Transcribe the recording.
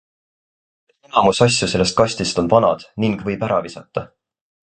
Enamus asju sellest kastist on vanad ning võib ära visata.